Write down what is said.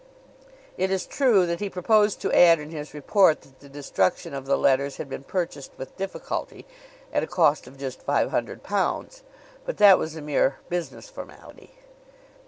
It is true that he proposed to add in his report that the destruction of the letters had been purchased with difficulty, at a cost of just five hundred pounds; but that was a mere business formality.